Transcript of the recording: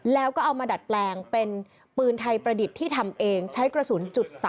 แล้วก็เอามาดัดแปลงเป็นปืนไทยประดิษฐ์ที่ทำเองใช้กระสุน๓